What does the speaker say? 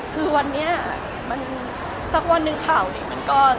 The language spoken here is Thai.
คือวันนี้อะมันสักวันนึงข่าวที่มันก็